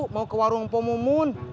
mau ke warung pomumun